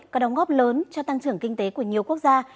có đóng góp lớn cho tăng trưởng kinh tế của nhiều quốc gia